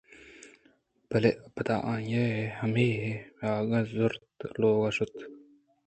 بلے پدا آئی ءَ ہمے ہئیک زُرت ءُ لوگ ءَ شُت